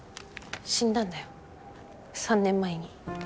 死んだんだよ３年前に。